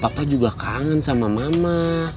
papa juga kangen sama mama